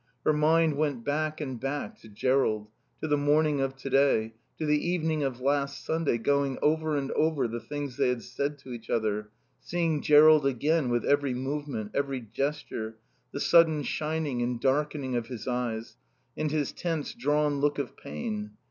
Her mind went back and back to Jerrold, to the morning of today, to the evening of last Sunday, going over and over the things they had said to each other; seeing Jerrold again, with every movement, every gesture, the sudden shining and darkening of his eyes, and his tense drawn look of pain.